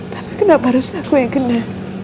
tapi kenapa harus aku yang kena